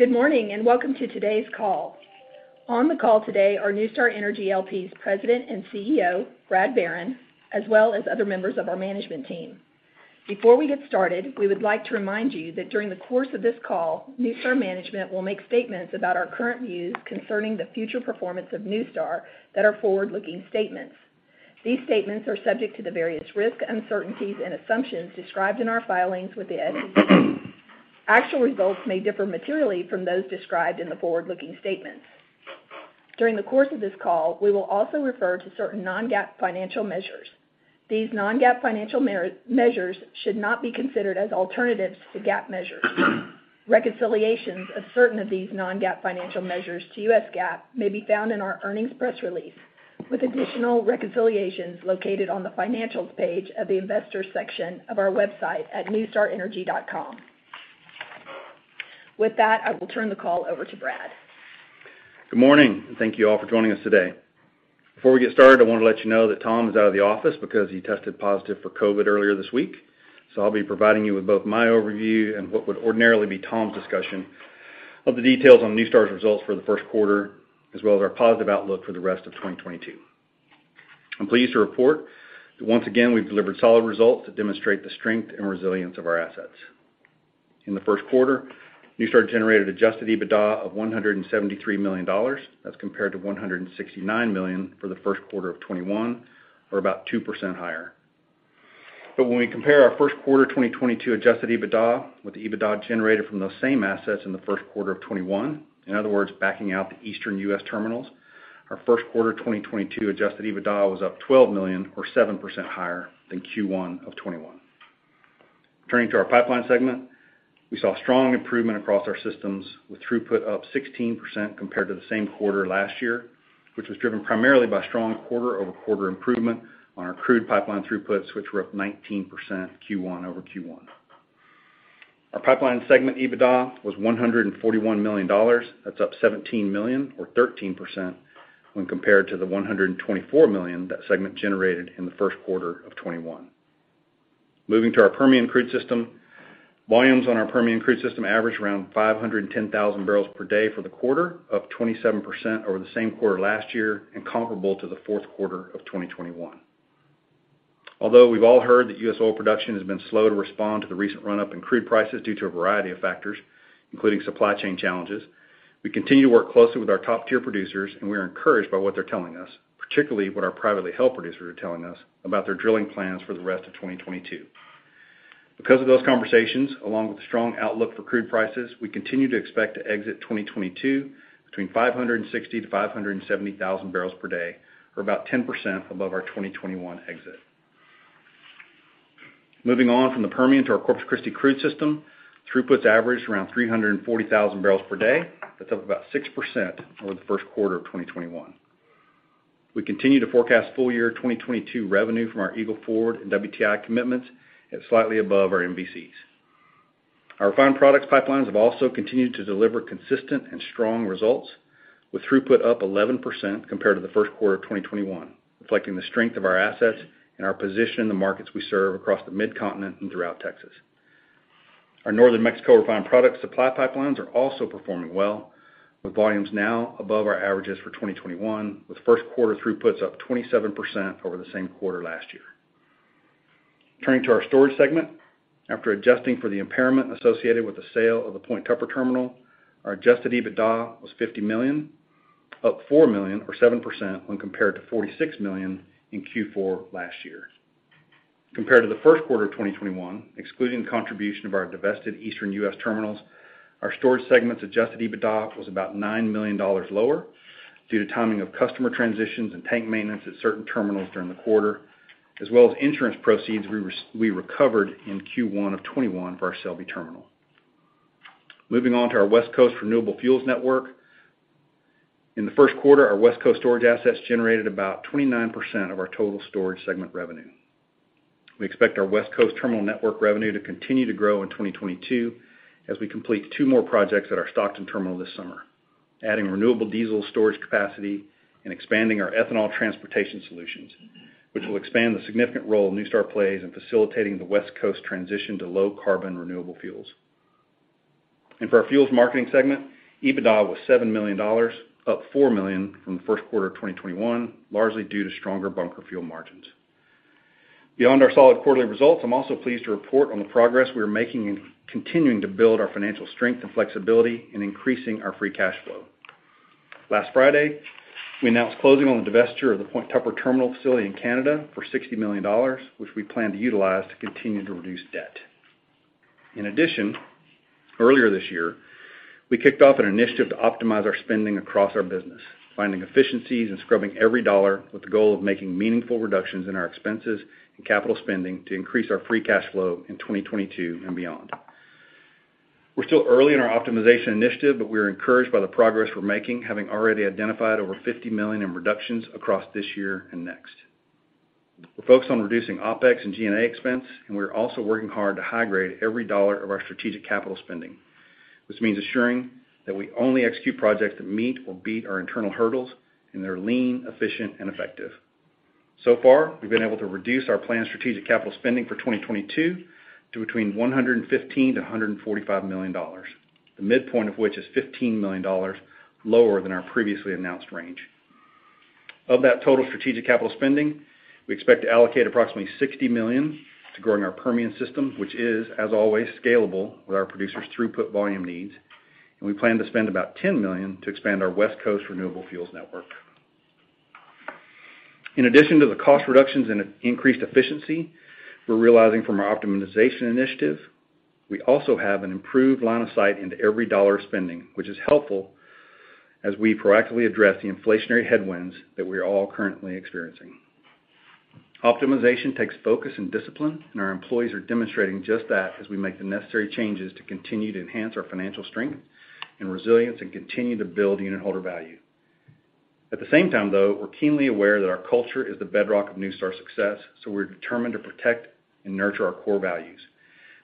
Good morning, and welcome to today's call. On the call today are NuStar Energy L.P.'s President and CEO, Brad Barron, as well as other members of our management team. Before we get started, we would like to remind you that during the course of this call, NuStar management will make statements about our current views concerning the future performance of NuStar that are forward-looking statements. These statements are subject to the various risks, uncertainties, and assumptions described in our filings with the SEC. Actual results may differ materially from those described in the forward-looking statements. During the course of this call, we will also refer to certain non-GAAP financial measures. These non-GAAP financial measures should not be considered as alternatives to GAAP measures. Reconciliations of certain of these non-GAAP financial measures to U.S. GAAP may be found in our earnings press release, with additional reconciliations located on the Financials page of the Investors section of our website at nustarenergy.com. With that, I will turn the call over to Brad. Good morning, and thank you all for joining us today. Before we get started, I wanna let you know that Tom is out of the office because he tested positive for COVID earlier this week, so I'll be providing you with both my overview and what would ordinarily be Tom's discussion of the details on NuStar's results for the first quarter, as well as our positive outlook for the rest of 2022. I'm pleased to report that once again, we've delivered solid results that demonstrate the strength and resilience of our assets. In the first quarter, NuStar generated adjusted EBITDA of $173 million. That's compared to $169 million for the first quarter of 2021, or about 2% higher. When we compare our first quarter 2022 adjusted EBITDA with the EBITDA generated from those same assets in the first quarter of 2021, in other words, backing out the Eastern U.S. terminals, our first quarter 2022 adjusted EBITDA was up $12 million or 7% higher than Q1 of 2021. Turning to our pipeline segment, we saw strong improvement across our systems with throughput up 16% compared to the same quarter last year, which was driven primarily by strong quarter-over-quarter improvement on our crude pipeline throughputs, which were up 19% Q1 over Q1. Our pipeline segment EBITDA was $141 million. That's up $17 million or 13% when compared to the $124 million that segment generated in the first quarter of 2021. Moving to our Permian Crude System. Volumes on our Permian Crude System averaged around 510,000 bbl per day for the quarter, up 27% over the same quarter last year and comparable to the fourth quarter of 2021. Although we've all heard that U.S. oil production has been slow to respond to the recent run-up in crude prices due to a variety of factors, including supply chain challenges, we continue to work closely with our top-tier producers, and we are encouraged by what they're telling us, particularly what our privately held producers are telling us about their drilling plans for the rest of 2022. Because of those conversations, along with the strong outlook for crude prices, we continue to expect to exit 2022 between 560,000-570,000 barrels per day, or about 10% above our 2021 exit. Moving on from the Permian to our Corpus Christi Crude System, throughputs averaged around 340,000 bbl per day. That's up about 6% over the first quarter of 2021. We continue to forecast full year 2022 revenue from our Eagle Ford and WTI commitments at slightly above our MVCs. Our refined products pipelines have also continued to deliver consistent and strong results with throughput up 11% compared to the first quarter of 2021, reflecting the strength of our assets and our position in the markets we serve across the Mid-Continent and throughout Texas. Our Northern Mexico refined products supply pipelines are also performing well, with volumes now above our averages for 2021, with first quarter throughputs up 27% over the same quarter last year. Turning to our storage segment. After adjusting for the impairment associated with the sale of the Point Tupper terminal, our adjusted EBITDA was $50 million, up $4 million or 7% when compared to $46 million in Q4 last year. Compared to the first quarter of 2021, excluding the contribution of our divested Eastern U.S. terminals, our storage segment's adjusted EBITDA was about $9 million lower due to timing of customer transitions and tank maintenance at certain terminals during the quarter, as well as insurance proceeds we recovered in Q1 of 2021 for our Selby terminal. Moving on to our West Coast renewable fuels network. In the first quarter, our West Coast storage assets generated about 29% of our total storage segment revenue. We expect our West Coast terminal network revenue to continue to grow in 2022 as we complete two more projects at our Stockton terminal this summer, adding renewable diesel storage capacity and expanding our ethanol transportation solutions, which will expand the significant role NuStar plays in facilitating the West Coast transition to low carbon renewable fuels. For our fuels marketing segment, EBITDA was $7 million, up $4 million from the first quarter of 2021, largely due to stronger bunker fuel margins. Beyond our solid quarterly results, I'm also pleased to report on the progress we are making in continuing to build our financial strength and flexibility in increasing our free cash flow. Last Friday, we announced closing on the divestiture of the Point Tupper terminal facility in Canada for $60 million, which we plan to utilize to continue to reduce debt. In addition, earlier this year, we kicked off an initiative to optimize our spending across our business, finding efficiencies and scrubbing every dollar with the goal of making meaningful reductions in our expenses and capital spending to increase our free cash flow in 2022 and beyond. We're still early in our optimization initiative, but we are encouraged by the progress we're making, having already identified over $50 million in reductions across this year and next. We're focused on reducing OpEx and G&A expense, and we are also working hard to high-grade every dollar of our strategic capital spending. This means assuring that we only execute projects that meet or beat our internal hurdles and they're lean, efficient, and effective. So far, we've been able to reduce our planned strategic capital spending for 2022 to between $115 million-$145 million. The midpoint of which is $15 million lower than our previously announced range. Of that total strategic capital spending, we expect to allocate approximately $60 million to growing our Permian system, which is, as always, scalable with our producers' throughput volume needs. We plan to spend about $10 million to expand our West Coast renewable fuels network. In addition to the cost reductions and increased efficiency we're realizing from our optimization initiative, we also have an improved line of sight into every dollar spending, which is helpful as we proactively address the inflationary headwinds that we are all currently experiencing. Optimization takes focus and discipline, and our employees are demonstrating just that as we make the necessary changes to continue to enhance our financial strength and resilience and continue to build unitholder value. At the same time, though, we're keenly aware that our culture is the bedrock of NuStar's success, so we're determined to protect and nurture our core values.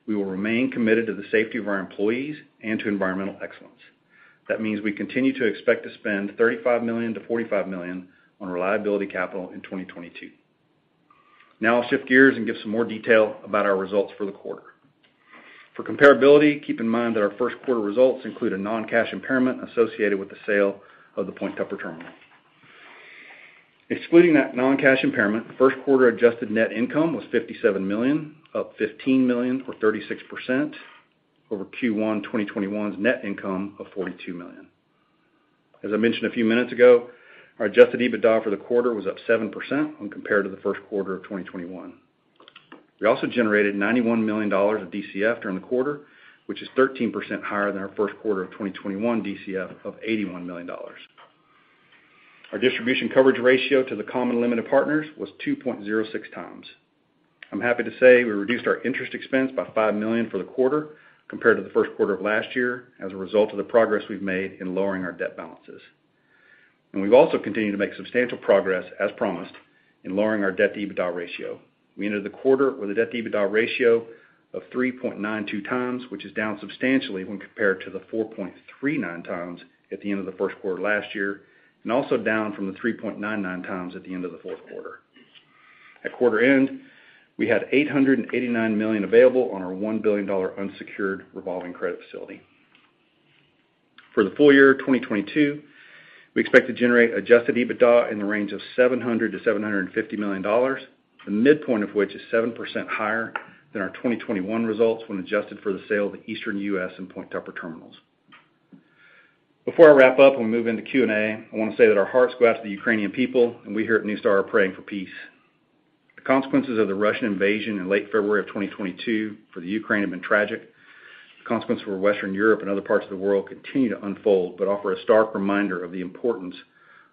We will remain committed to the safety of our employees and to environmental excellence. That means we continue to expect to spend $35 million-$45 million on reliability capital in 2022. Now I'll shift gears and give some more detail about our results for the quarter. For comparability, keep in mind that our first quarter results include a non-cash impairment associated with the sale of the Point Tupper terminal. Excluding that non-cash impairment, first quarter adjusted net income was $57 million, up $15 million or 36% over Q1 2021's net income of $42 million. As I mentioned a few minutes ago, our adjusted EBITDA for the quarter was up 7% when compared to the first quarter of 2021. We also generated $91 million of DCF during the quarter, which is 13% higher than our first quarter of 2021 DCF of $81 million. Our distribution coverage ratio to the common limited partners was 2.06x. I'm happy to say we reduced our interest expense by $5 million for the quarter compared to the first quarter of last year as a result of the progress we've made in lowering our debt balances. We've also continued to make substantial progress, as promised, in lowering our debt-to-EBITDA ratio. We ended the quarter with a debt-to-EBITDA ratio of 3.92x, which is down substantially when compared to the 4.39x at the end of the first quarter last year, and also down from the 3.99x at the end of the fourth quarter. At quarter end, we had $889 million available on our $1 billion unsecured revolving credit facility. For the full year of 2022, we expect to generate adjusted EBITDA in the range of $700 million-$750 million, the midpoint of which is 7% higher than our 2021 results when adjusted for the sale of the Eastern U.S. and Point Tupper terminals. Before I wrap up and we move into Q&A, I want to say that our hearts go out to the Ukrainian people, and we here at NuStar are praying for peace. The consequences of the Russian invasion in late February of 2022 for Ukraine have been tragic. The consequences for Western Europe and other parts of the world continue to unfold, but offer a stark reminder of the importance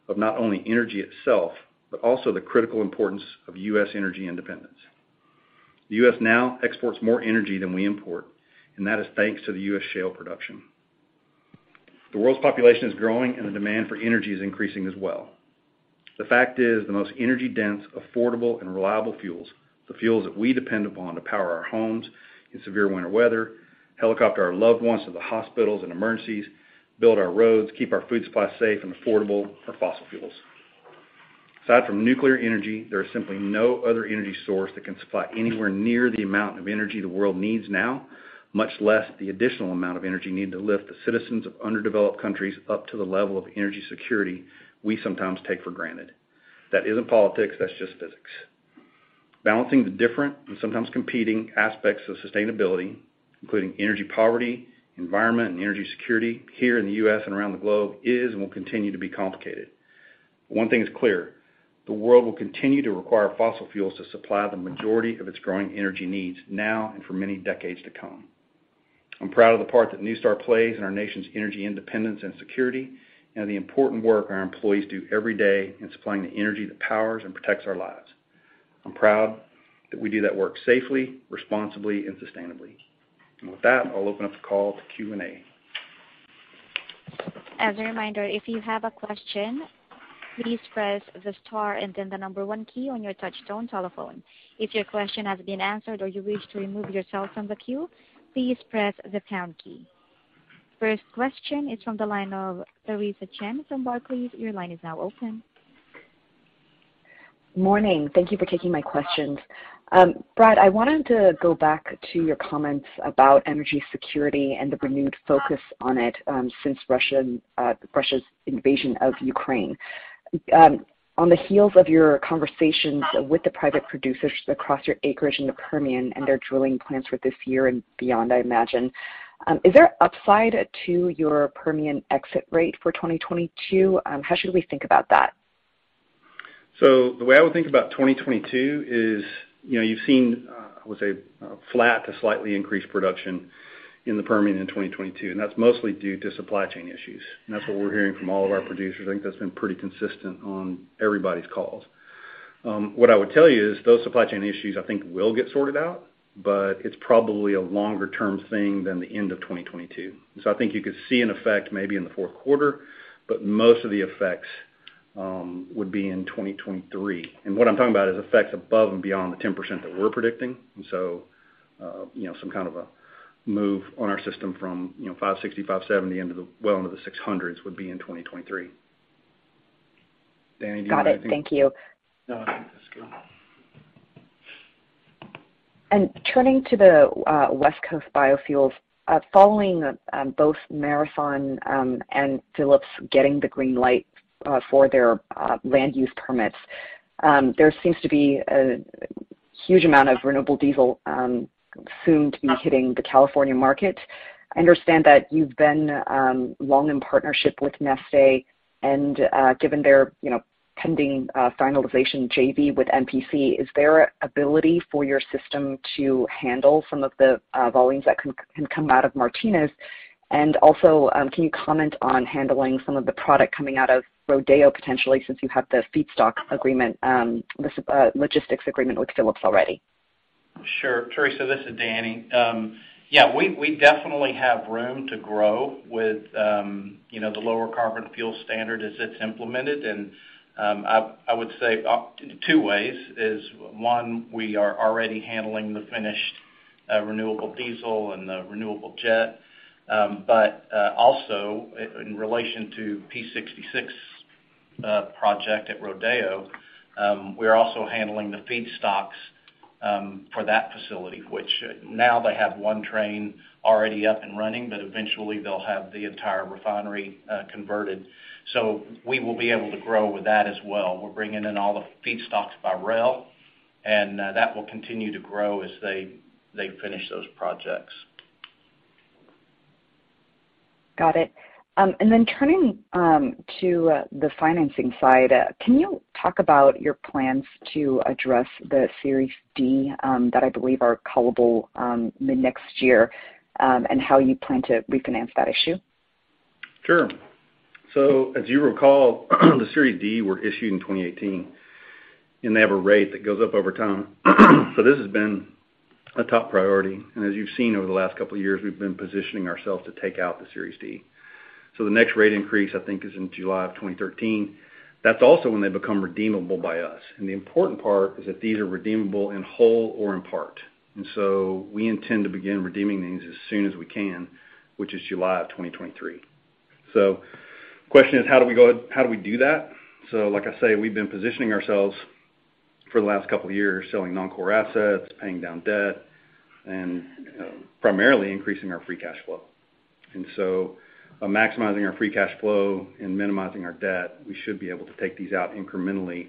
of not only energy itself, but also the critical importance of U.S. energy independence. The U.S. now exports more energy than we import, and that is thanks to the U.S. shale production. The world's population is growing, and the demand for energy is increasing as well. The fact is, the most energy-dense, affordable, and reliable fuels, the fuels that we depend upon to power our homes in severe winter weather, helicopter our loved ones to the hospitals in emergencies, build our roads, keep our food supply safe and affordable, are fossil fuels. Aside from nuclear energy, there is simply no other energy source that can supply anywhere near the amount of energy the world needs now, much less the additional amount of energy needed to lift the citizens of underdeveloped countries up to the level of energy security we sometimes take for granted. That isn't politics, that's just physics. Balancing the different and sometimes competing aspects of sustainability, including energy poverty, environment, and energy security here in the U.S. and around the globe is and will continue to be complicated. One thing is clear: the world will continue to require fossil fuels to supply the majority of its growing energy needs now and for many decades to come. I'm proud of the part that NuStar plays in our nation's energy independence and security and the important work our employees do every day in supplying the energy that powers and protects our lives. I'm proud that we do that work safely, responsibly, and sustainably. With that, I'll open up the call to Q&A. As a reminder, if you have a question, please press the star and then the number one key on your touchtone telephone. If your question has been answered or you wish to remove yourself from the queue, please press the pound key. First question is from the line of Theresa Chen from Barclays. Your line is now open. Morning. Thank you for taking my questions. Brad, I wanted to go back to your comments about energy security and the renewed focus on it, since Russia's invasion of Ukraine. On the heels of your conversations with the private producers across your acreage in the Permian and their drilling plans for this year and beyond, I imagine, is there upside to your Permian exit rate for 2022? How should we think about that? The way I would think about 2022 is, you know, you've seen, I would say, flat to slightly increased production in the Permian in 2022, and that's mostly due to supply chain issues. That's what we're hearing from all of our producers. I think that's been pretty consistent on everybody's calls. What I would tell you is those supply chain issues I think will get sorted out, but it's probably a longer-term thing than the end of 2022. I think you could see an effect maybe in the fourth quarter, but most of the effects would be in 2023. What I'm talking about is effects above and beyond the 10% that we're predicting. You know, some kind of a move on our system from, you know, 560-570 into the 600s would be in 2023. Danny, do you want to add anything? Got it. Thank you. No, I think that's good. Turning to the West Coast Biofuels, following both Marathon and Phillips getting the green light for their land use permits, there seems to be a huge amount of renewable diesel soon to be hitting the California market. I understand that you've been long in partnership with Neste and, given their you know pending finalization JV with MPC, is there ability for your system to handle some of the volumes that can come out of Martinez? Also, can you comment on handling some of the product coming out of Rodeo potentially since you have the feedstock agreement, this logistics agreement with Phillips already? Sure. Theresa, this is Danny. Yeah, we definitely have room to grow with, you know, the Low Carbon Fuel Standard as it's implemented. I would say two ways is, one, we are already handling the finished renewable diesel and the renewable jet. Also, in relation to Phillips 66 project at Rodeo, we're also handling the feedstocks for that facility. Which now they have one train already up and running, but eventually they'll have the entire refinery converted. We will be able to grow with that as well. We're bringing in all the feedstocks by rail, and that will continue to grow as they finish those projects. Got it. Turning to the financing side, can you talk about your plans to address the Series D that I believe are callable mid-next year and how you plan to refinance that issue? Sure. As you recall, the Series D were issued in 2018, and they have a rate that goes up over time. This has been a top priority. As you've seen over the last couple of years, we've been positioning ourselves to take out the Series D. The next rate increase, I think, is in July of 2023. That's also when they become redeemable by us. The important part is that these are redeemable in whole or in part. We intend to begin redeeming these as soon as we can, which is July of 2023. Question is, how do we do that? Like I say, we've been positioning ourselves for the last couple of years, selling non-core assets, paying down debt, and primarily increasing our free cash flow. By maximizing our free cash flow and minimizing our debt, we should be able to take these out incrementally,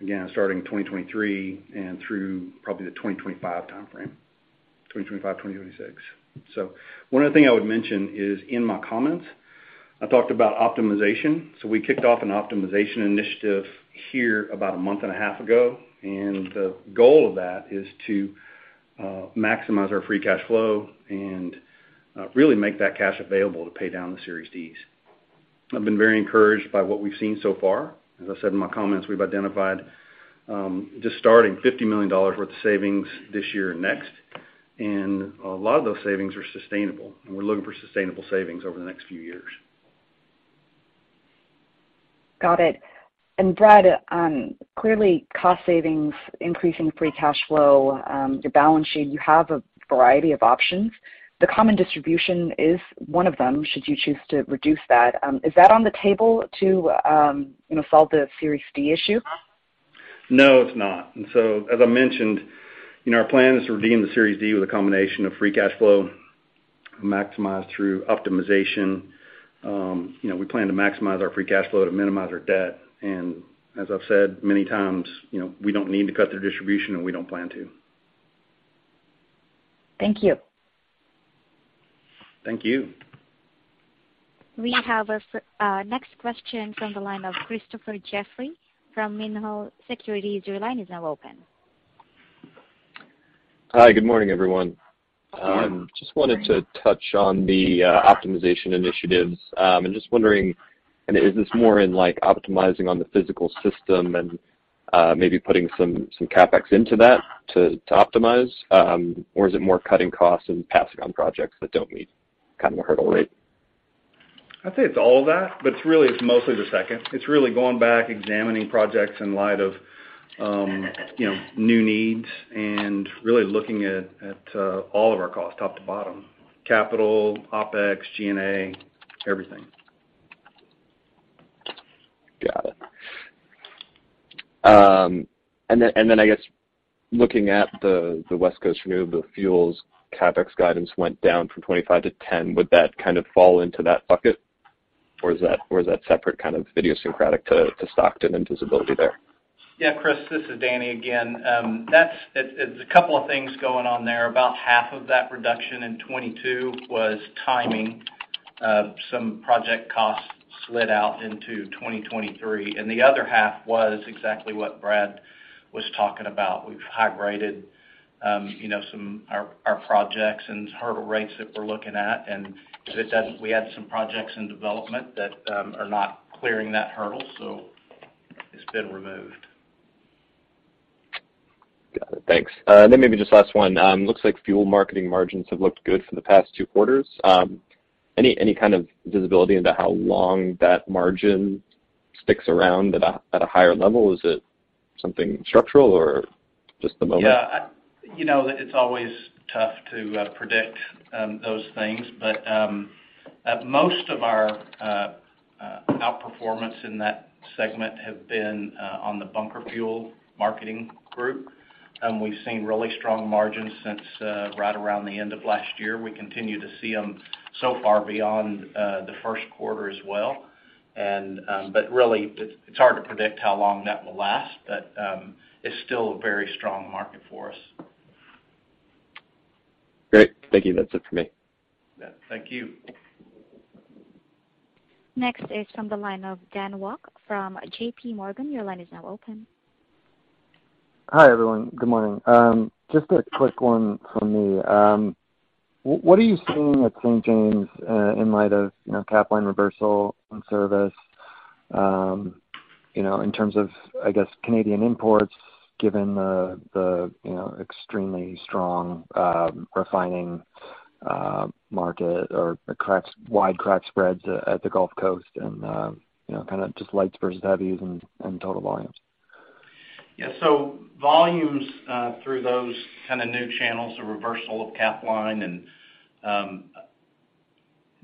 again, starting 2023 and through probably the 2025 timeframe, 2025, 2026. One of the things I would mention is in my comments, I talked about optimization. We kicked off an optimization initiative here about a month and a half ago, and the goal of that is to maximize our free cash flow and really make that cash available to pay down the Series Ds. I've been very encouraged by what we've seen so far. As I said in my comments, we've identified just starting $50 million worth of savings this year and next. A lot of those savings are sustainable, and we're looking for sustainable savings over the next few years. Got it. Brad, clearly cost savings, increasing free cash flow, your balance sheet, you have a variety of options. The common distribution is one of them, should you choose to reduce that. Is that on the table to, you know, solve the Series D issue? No, it's not. As I mentioned, our plan is to redeem the Series D with a combination of free cash flow maximized through optimization. You know, we plan to maximize our free cash flow to minimize our debt. As I've said many times, you know, we don't need to cut their distribution, and we don't plan to. Thank you. Thank you. We have a next question from the line of Chris Jeffrey from Mizuho Securities. Your line is now open. Hi, good morning, everyone. Good morning. Just wanted to touch on the optimization initiatives. I'm just wondering, is this more in like optimizing on the physical system and maybe putting some CapEx into that to optimize? Or is it more cutting costs and passing on projects that don't meet kind of a hurdle rate? I'd say it's all of that, but it's really, it's mostly the second. It's really going back, examining projects in light of, you know, new needs and really looking at all of our costs, top to bottom, capital, OpEx, G&A, everything. Got it. I guess looking at the West Coast Renewable Fuels CapEx guidance went down from $25-$10. Would that kind of fall into that bucket, or is that separate kind of idiosyncratic to Stockton and visibility there? Yeah, Chris, this is Danny again. That's a couple of things going on there. About half of that reduction in 2022 was timing. Some project costs slid out into 2023, and the other half was exactly what Brad was talking about. We've high-graded, you know, some of our projects and hurdle rates that we're looking at. We had some projects in development that are not clearing that hurdle, so it's been removed. Got it. Thanks. Maybe just last one. Looks like fuel marketing margins have looked good for the past two quarters. Any kind of visibility into how long that margin sticks around at a higher level? Is it something structural or just the moment? Yeah, you know, it's always tough to predict those things. Most of our outperformance in that segment have been on the bunker fuel marketing group. We've seen really strong margins since right around the end of last year. We continue to see them so far beyond the first quarter as well. Really, it's hard to predict how long that will last, but it's still a very strong market for us. Great. Thank you. That's it for me. Yeah. Thank you. Next is from the line of Jeremy Tonet from J.P. Morgan. Your line is now open. Hi, everyone. Good morning. Just a quick one from me. What are you seeing at St. James, in light of, you know, Capline reversal and service, you know, in terms of, I guess, Canadian imports, given the, you know, extremely strong refining market or the wide crack spreads at the Gulf Coast and, you know, kind of just lights versus heavies and total volumes? Yeah. Volumes through those kind of new channels, the reversal of Capline and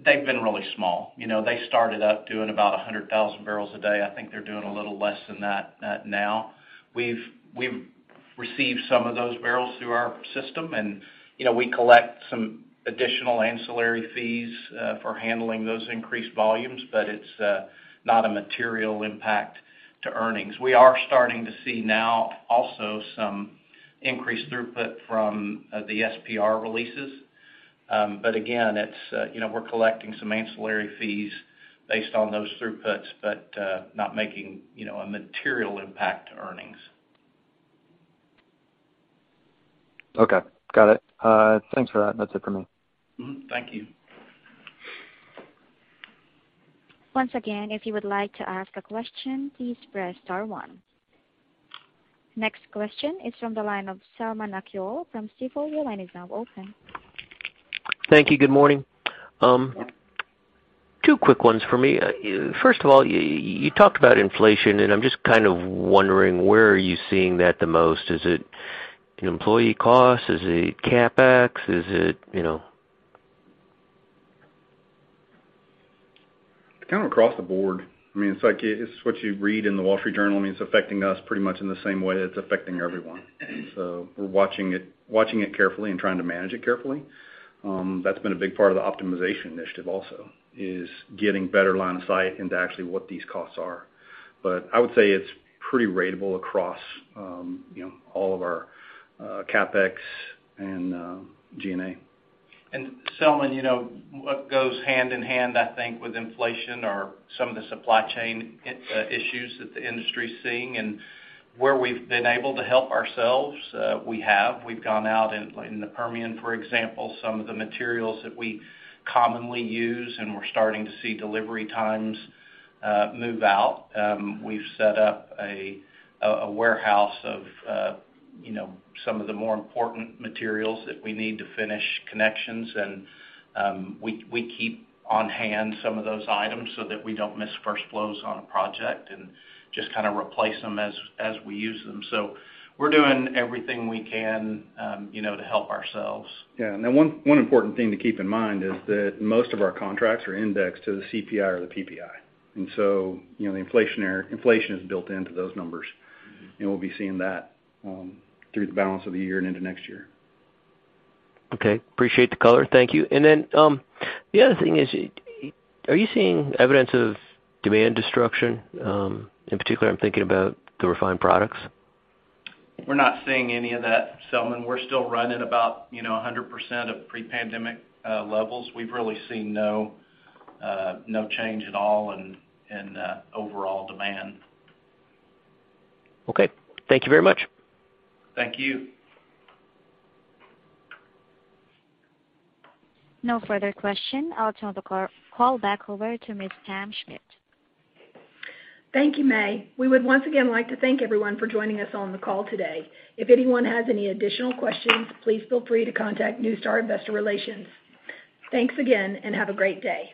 they've been really small. You know, they started out doing about 100,000 barrels a day. I think they're doing a little less than that now. We've received some of those barrels through our system and, you know, we collect some additional ancillary fees for handling those increased volumes, but it's not a material impact to earnings. We are starting to see now also some increased throughput from the SPR releases. Again, it's, you know, we're collecting some ancillary fees based on those throughputs, but not making, you know, a material impact to earnings. Okay. Got it. Thanks for that. That's it for me. Mm-hmm. Thank you. Once again, if you would like to ask a question, please press star one. Next question is from the line of Selman Akyol from Stifel. Your line is now open. Thank you. Good morning. Yeah. Two quick ones for me. First of all, you talked about inflation, and I'm just kind of wondering where are you seeing that the most? Is it employee costs? Is it CapEx? Is it, you know? It's kind of across the board. I mean, it's like it's what you read in the Wall Street Journal. I mean, it's affecting us pretty much in the same way it's affecting everyone. We're watching it carefully and trying to manage it carefully. That's been a big part of the optimization initiative also, is getting better line of sight into actually what these costs are. I would say it's pretty ratable across, you know, all of our CapEx and G&A. Selman, you know, what goes hand in hand, I think, with inflation are some of the supply chain issues that the industry is seeing. Where we've been able to help ourselves, we have. We've gone out in the Permian, for example, some of the materials that we commonly use, and we're starting to see delivery times move out. We've set up a warehouse of, you know, some of the more important materials that we need to finish connections. We keep on hand some of those items so that we don't miss first flows on a project and just kind of replace them as we use them. We're doing everything we can, you know, to help ourselves. Yeah. One important thing to keep in mind is that most of our contracts are indexed to the CPI or the PPI. You know, inflation is built into those numbers, and we'll be seeing that through the balance of the year and into next year. Okay. Appreciate the color. Thank you. The other thing is, are you seeing evidence of demand destruction, in particular, I'm thinking about the refined products? We're not seeing any of that, Selman. We're still running about, you know, 100% of pre-pandemic levels. We've really seen no change at all in overall demand. Okay. Thank you very much. Thank you. No further question. I'll turn the call back over to Ms. Pam Schmidt. Thank you, Mei. We would once again like to thank everyone for joining us on the call today. If anyone has any additional questions, please feel free to contact NuStar Investor Relations. Thanks again, and have a great day.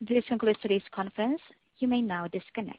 This concludes today's conference. You may now disconnect.